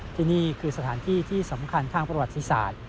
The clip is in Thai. ที่นี่คือสถานที่ที่สำคัญทางประวัติศาสตร์